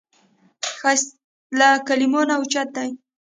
ښایست له کلمو نه اوچت دی